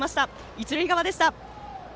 一塁側でした！